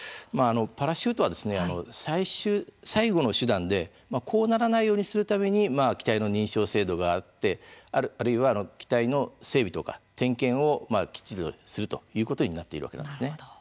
パラシュートは最後の手段でこうならないようにするために機体の認証制度があってあるいは機体の整備とか点検をきっちりとするということになっているわけなんです。